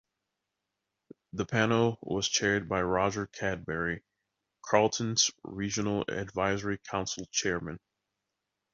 The panel was chaired by Roger Cadbury, Carlton's regional advisory council chairman.